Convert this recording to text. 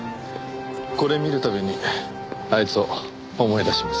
これ見るたびにあいつを思い出しますね。